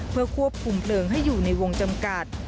เพื่อควบคุมเพลิงให้อยู่ในวงจำกัด